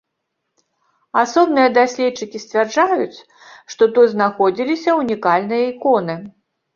Асобныя даследчыкі сцвярджаюць, што тут знаходзіліся унікальныя іконы.